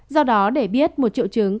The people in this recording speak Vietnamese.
do đó để biết một triệu chứng